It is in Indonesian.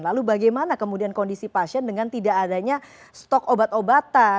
lalu bagaimana kemudian kondisi pasien dengan tidak adanya stok obat obatan